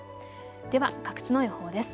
では各地の予報です。